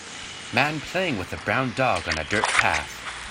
Man playing with a brown dog on a dirt path.